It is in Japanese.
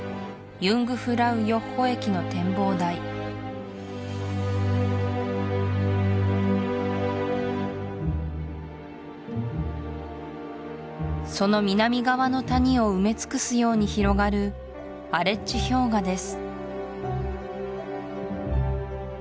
ユングフラウヨッホ駅の展望台その南側の谷を埋め尽くすように広がるアレッチ氷河です